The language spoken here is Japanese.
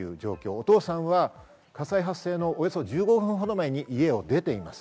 お父さんは火災発生のおよそ１５分ほど前に家を出ています。